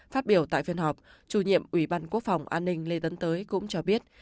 phát biểu tại phiên họp chủ nhiệm ủy ban quốc phòng an ninh lê tấn tới cũng cho biết